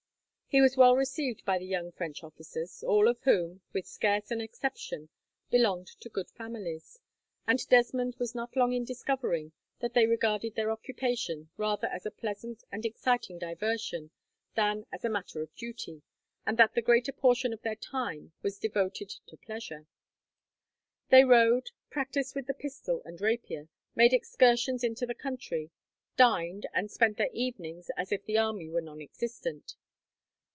He was well received by the young French officers, all of whom, with scarce an exception, belonged to good families, and Desmond was not long in discovering that they regarded their occupation rather as a pleasant and exciting diversion, than as a matter of duty, and that the greater portion of their time was devoted to pleasure. They rode, practised with the pistol and rapier, made excursions into the country, dined, and spent their evenings as if the army were nonexistent.